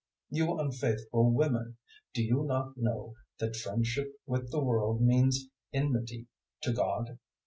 004:004 You unfaithful women, do you not know that friendship with the world means enmity to God?